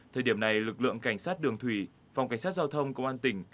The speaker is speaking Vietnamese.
thời điểm này lực lượng cảnh sát đường thủy phòng cảnh sát giao thông công an tỉnh